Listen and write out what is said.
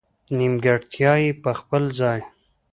نېمګړتیا یې په خپل ځای.